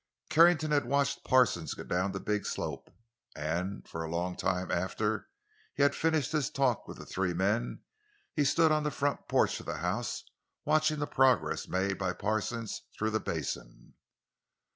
Carrington had watched Parsons go down the big slope; and for a long time after he had finished his talk with the three men he stood on the front porch of the house watching the progress made by Parsons through the basin.